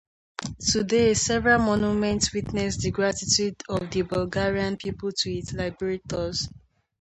Today, several monuments witness the gratitude of the Bulgarian people to its liberators.